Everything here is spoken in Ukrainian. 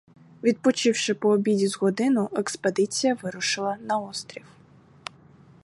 Відпочивши по обіді з годину, експедиція вирушила на острів.